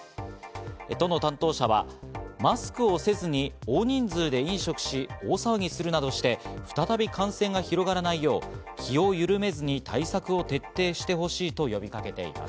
都の担当者はマスクをせずに大人数で飲食し、大騒ぎするなどして再び感染が広がらないよう気をゆるめずに対策を徹底してほしいと呼びかけています。